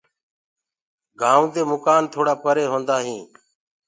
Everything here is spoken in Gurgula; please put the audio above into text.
گآئونٚ مي مڪآن توڙآ پري هوندآ هين۔